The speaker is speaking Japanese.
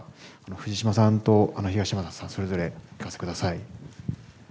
藤島さんと東山さん、それぞれお聞かせください。